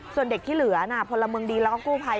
ส่วนเด็กที่เหลือพลเมืองดีแล้วก็กู้ภัย